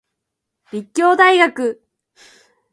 立教大学